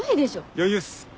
余裕っす！